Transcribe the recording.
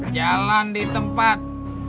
jalan di tempat